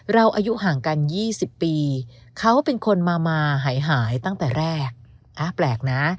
อายุห่างกัน๒๐ปีเขาเป็นคนมามาหายตั้งแต่แรกแปลกนะ